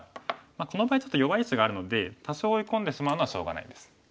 この場合ちょっと弱い石があるので多少追い込んでしまうのはしょうがないです。